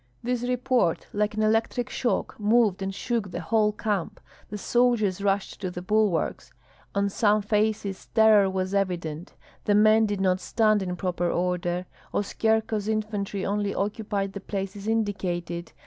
This report, like an electric shock, moved and shook the whole camp; the soldiers rushed to the bulwarks. On some faces terror was evident; the men did not stand in proper order; Oskyerko's infantry only occupied the places indicated.